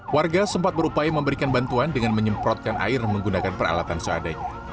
warga sempat berupaya memberikan bantuan dengan menyemprotkan air menggunakan peralatan seadanya